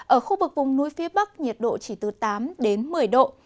ở khu vực vùng núi phía bắc nhiệt độ chỉ từ tám đến một mươi độ